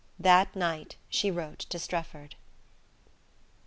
That night she wrote to Strefford.